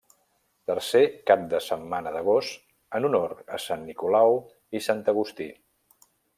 Tercer cap de setmana d'agost, en honor a Sant Nicolau i Sant Agustí.